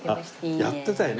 やってたよね